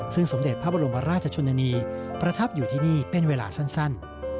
ซึ่งสมเด็จพระบรมราชชนนีประทับอยู่ที่นี่เป็นเวลาสั้น